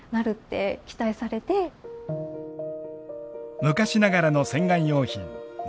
昔ながらの洗顔用品ぬか袋。